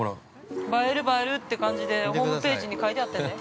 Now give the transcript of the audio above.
◆映える映えるって感じでホームページに書いてあったで。